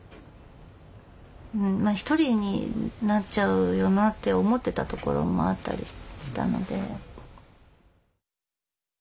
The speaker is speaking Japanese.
まあ１人になっちゃうよなって思ってたところもあったりしたので。